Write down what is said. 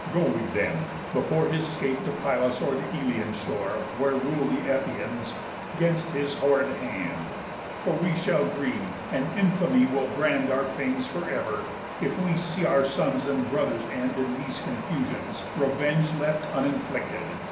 Go we then (before His 'scape to Pylos, or the Elians' shore, Where rule the Epeans) 'gainst his horrid hand; For we shall grieve, and infamy will brand Our fames for ever, if we see our sons And brothers end in these confusions, Revenge left uninflicted.